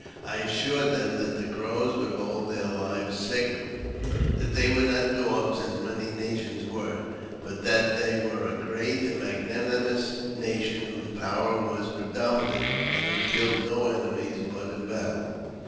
I assured them that the Crows would hold their lives sacred ; that they were not dogs, as many nations were, but that they were a great and magnanimous nation, whose power was predominant, and who killed no enemies but in battle.